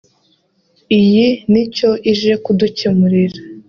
iyi ni cyo ije kudukemurira